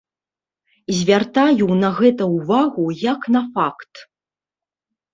Звяртаю на гэта ўвагу як на факт.